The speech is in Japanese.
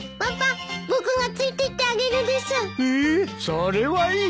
それはいい。